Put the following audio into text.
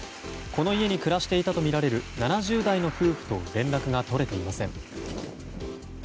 この家に暮らしていたとみられる７０代の夫婦と連絡が取れていません。